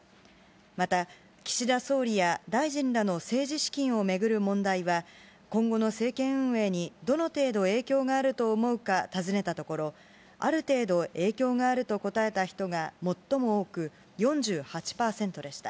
また、岸田総理や大臣らの政治資金を巡る問題は、今後の政権運営にどの程度、影響があると思うか尋ねたところ、ある程度影響があると答えた人が最も多く４８％でした。